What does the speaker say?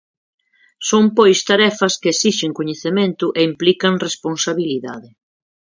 Son pois tarefas que exixen coñecemento e implican responsabilidade.